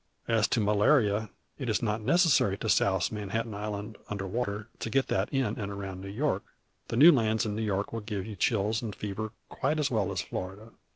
As to malaria, it is not necessary to souse Manhattan Island under water to get that in and around New York. The new lands in New York will give you chills and fever quite as well as Florida.